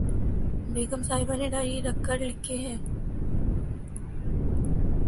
بیگم صاحبہ نے ڈائری رکھ کر لکھے ہیں